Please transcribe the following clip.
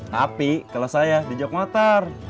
tapi kalau saya di jakarta